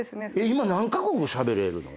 今何カ国語しゃべれるの？